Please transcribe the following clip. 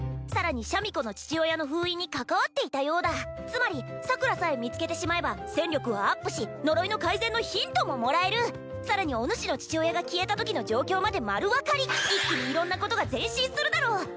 さらにシャミ子の父親の封印に関わっていたようだつまり桜さえ見つけてしまえば戦力はアップし呪いの改善のヒントももらえるさらにおぬしの父親が消えたときの状況まで丸分かり一気に色んなことが前進するだろう